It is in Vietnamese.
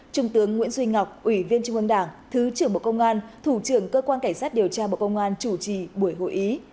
trung tướng nguyễn duy ngọc ủy viên trung ương đảng thứ trưởng bộ công an thủ trưởng cơ quan cảnh sát điều tra bộ công an chủ trì buổi hội ý